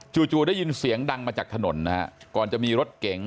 จู่ได้ยินเสียงดังมาจากถนนนะฮะก่อนจะมีรถเก๋ง